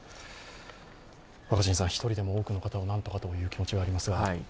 １人でも多くの方を何とかという気持ちはありますが。